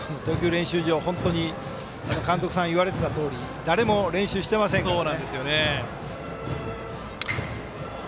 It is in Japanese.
練習場監督さん言われていたとおり誰も練習してませんからね。